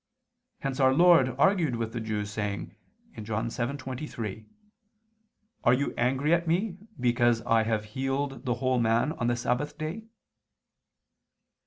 Hence Our Lord argued with the Jews, saying (John 7:23): "Are you angry at Me because I have healed the whole man on the Sabbath day?"